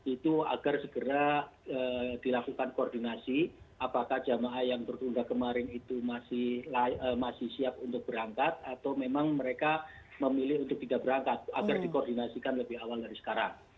itu agar segera dilakukan koordinasi apakah jamaah yang tertunda kemarin itu masih siap untuk berangkat atau memang mereka memilih untuk tidak berangkat agar dikoordinasikan lebih awal dari sekarang